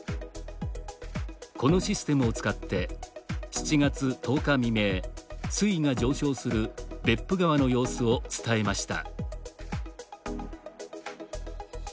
このシステムを使って７月１０日未明水位が上昇する別府川の様子を伝えました。